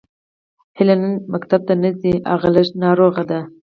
هیله نن ښوونځي ته نه ځي هغه لږه ناروغه ده